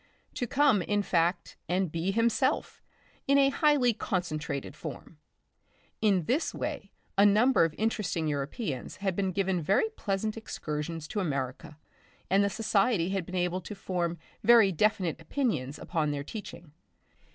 To come, in fact, and be himself in a highly concentrated form. In this way a number of interesting Europeans had been given very pleasant excursions to America, and the society had been able to form very definite opinions upon their teaching.